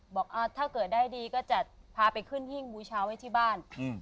บอกถ้าเกิดได้ดีก็จะพาไปขึ้นหิ้งบูชาไว้ที่บ้าน